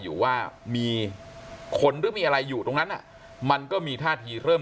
อยู่ว่ามีคนหรือมีอะไรอยู่ตรงนั้นอ่ะมันก็มีท่าทีเริ่ม